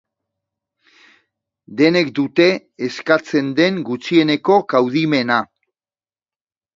Denek dute eskatzen den gutxieneko kaudimena.